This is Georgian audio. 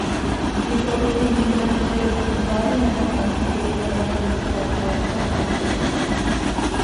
მიკრობები იმდენად მცირე ზომისანი არიან რომ, მათი შეუიარაღებელი თვალით დანახვა შეუძლებელია.